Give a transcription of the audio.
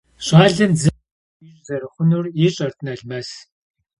ЩӀалэм дзыхь хуищӀ зэрыхъунур ищӀэрт Налмэс.